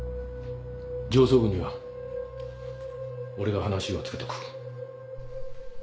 上層部には俺が話をつけとく。